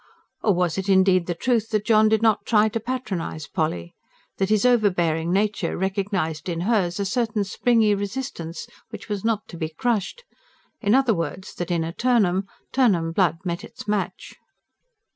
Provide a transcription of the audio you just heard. Or was it indeed the truth that John did not try to patronise Polly? That his overbearing nature recognised in hers a certain springy resistance, which was not to be crushed? In other words, that, in a Turnham, Turnham blood met its match.